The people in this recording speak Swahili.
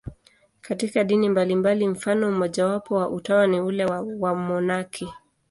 Katika dini mbalimbali, mfano mmojawapo wa utawa ni ule wa wamonaki.